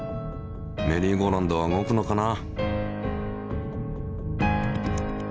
メリーゴーラウンドは動くのかな？